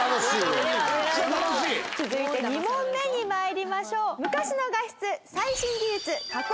続いて２問目に参りましょう。